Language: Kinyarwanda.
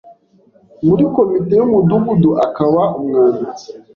muri komite y’Umudugudu akaba umwanditsi.